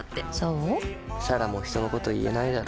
彩良も人のこと言えないだろ。